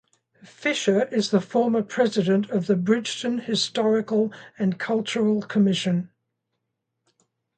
Fisher is the former President of the Bridgeton Historical and Cultural Commission.